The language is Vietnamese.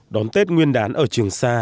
đón tết nguyên đán ở trường sa